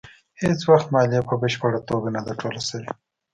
هېڅ وخت مالیه په بشپړه توګه نه ده ټوله شوې.